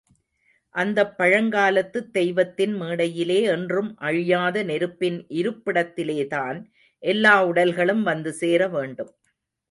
அந்தப் பழங்காலத்துத் தெய்வத்தின் மேடையிலே என்றும் அழியாத நெருப்பின் இருப்பிடத்திலே தான் எல்லா உடல்களும் வந்து சேரவேண்டும்.